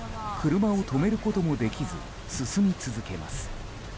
車を止めることもできず進み続けます。